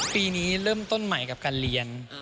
ปีนี้เริ่มต้นใหม่กับการเรียน